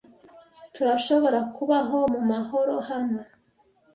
Turashobora kubaho mu mahoro hano.